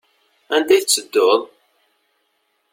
Anda i tettedduḍ?